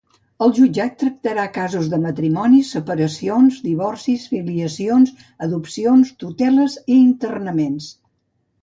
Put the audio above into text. El jutjat tractarà casos de matrimonis, separacions, divorcis, filiacions, adopcions, tuteles i internaments.